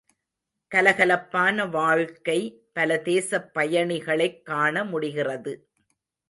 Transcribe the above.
கலகலப்பான வாழ்க்கை பல தேசப்பயணிகளைக் காண முடிகிறது.